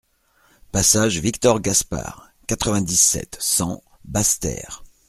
Passage Victor Gaspard, quatre-vingt-dix-sept, cent Basse-Terre